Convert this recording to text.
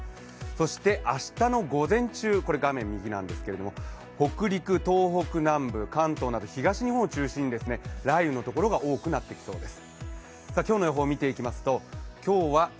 そして明日の午前中、画面右なんですが、北陸、東北南部、関東など東日本を中心に雷雨のところが多くなってきそうです。